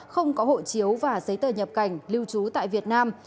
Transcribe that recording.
không có hộ chiếu và giấy tờ nhập cảnh lưu trú tại việt nam